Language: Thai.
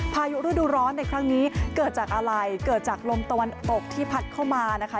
พายุฤดูร้อนในครั้งนี้เกิดจากอะไรเกิดจากลมตะวันตกที่พัดเข้ามานะคะ